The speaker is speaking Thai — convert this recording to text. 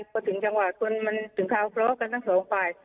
ก็ถึงจังหวัดคุณมันถึงคราวครบกันทั้งสองฝ่าย